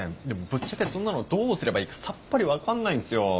でもぶっちゃけそんなのどうすればいいかさっぱり分かんないんすよ。